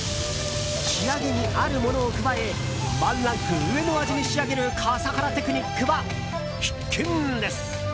仕上げにあるものを加えワンランク上の味に仕上げる笠原テクニックは必見です！